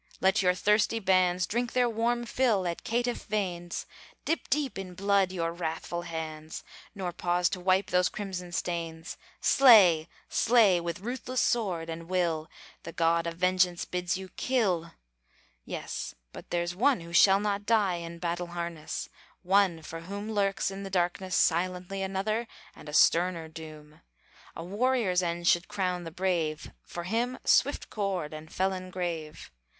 let your thirsty bands Drink their warm fill at caitiff veins; Dip deep in blood your wrathful hands, Nor pause to wipe those crimson stains. Slay! slay! with ruthless sword and will The God of vengeance bids you "kill!" Yes! but there's one who shall not die In battle harness! One for whom Lurks in the darkness silently Another and a sterner doom! A warrior's end should crown the brave For him, swift cord! and felon grave!